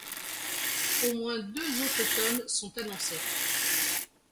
Au moins deux autres tomes sont annoncés.